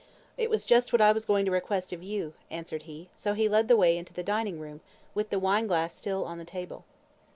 "It was just what I was going to request of you," answered he; so he led the way into the dining room, with the wine glass still on the table.